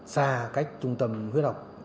xa cách trung tâm huyết học